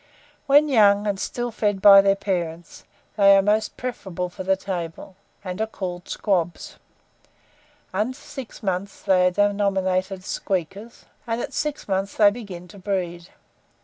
When young, and still fed by their parents, they are most preferable for the table, and are called squabs; under six months they are denominated squeakers, and at six months they begin to breed.